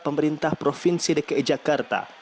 pemerintah provinsi dki jakarta